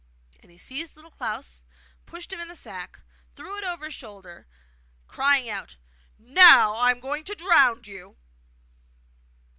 And he seized Little Klaus, pushed him in the sack, threw it over his shoulder, crying out 'Now I am going to drown you!